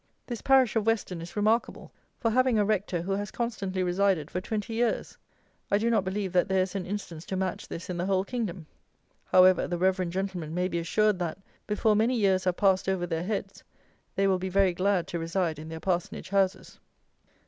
This parish of WESTON is remarkable for having a Rector who has constantly resided for twenty years! I do not believe that there is an instance to match this in the whole kingdom. However, the "reverend" gentleman may be assured that, before many years have passed over their heads, they will be very glad to reside in their parsonage houses.